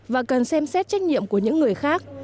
và cần xem xét trách nhiệm của những người khác